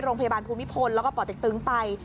โรงพยาบาลภูมิพลแล้วก็ป่อเต็กตึงไป